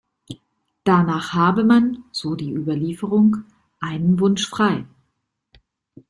Danach habe man, so die Überlieferung, einen Wunsch frei.